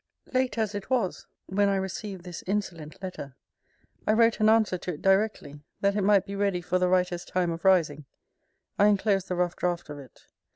Late as it was when I received this insolent letter, I wrote an answer to it directly, that it might be ready for the writer's time of rising. I inclose the rough draught of it.